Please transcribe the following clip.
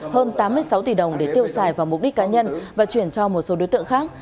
hơn tám mươi sáu tỷ đồng để tiêu xài vào mục đích cá nhân và chuyển cho một số đối tượng khác